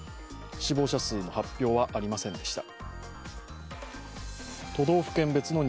死亡者数の発表はありませんでした。